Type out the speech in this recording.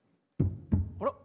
あら？